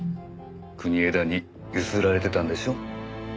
国枝にゆすられてたんでしょ？